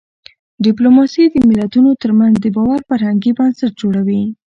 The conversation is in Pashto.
ډيپلوماسي د ملتونو ترمنځ د باور فرهنګي بنسټ جوړوي.